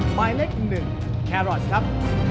หมายเลขหนึ่งแครอสครับ